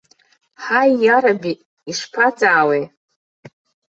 Ҳаи, иараби, ишԥаҵаауеи!